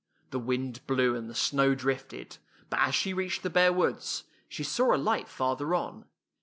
The wind blew and the snow drifted, but as she reached the bare woods, she saw a light farther on.